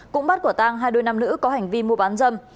cũng bắt quả tang hai đôi nam nữ có hành vi mua bán dâm